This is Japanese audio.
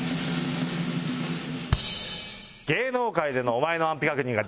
芸能界でのお前の安否確認ができてない。